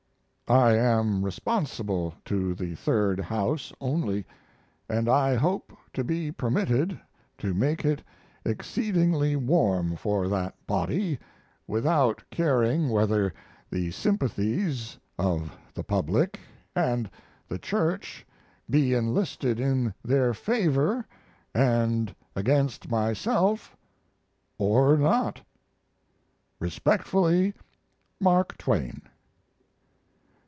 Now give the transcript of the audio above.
I am responsible to the Third House only, and I hope to be permitted to make it exceedingly warm for that body, without caring whether the sympathies of the public and the Church be enlisted in their favor, and against myself, or not. Respectfully, MARK TWAIN.